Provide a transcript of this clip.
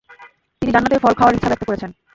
তিনি জান্নাতের ফল খাওয়ার ইচ্ছা ব্যক্ত করেছেন।